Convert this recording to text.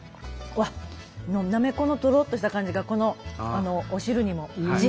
うわっナメコのとろっとした感じがこのお汁にも。